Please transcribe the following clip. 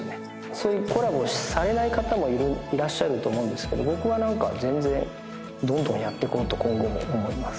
そういうコラボされない方もいらっしゃると思うんですけど僕は何か全然どんどんやっていこうと今後も思います